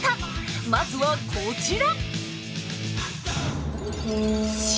まずはこちら